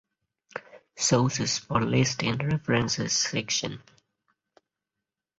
Sources for list in References section.